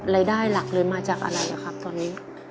รายได้หลักเลยมาจากอะไรครับตอนนี้